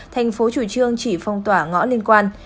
thành phố chủ trương chỉ phong tỏa ngõ liên quan